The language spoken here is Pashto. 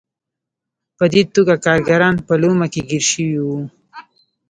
په دې توګه کارګران په لومه کې ګیر شوي وو.